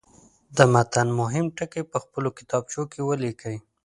د متن مهم ټکي په خپلو کتابچو کې ولیکئ.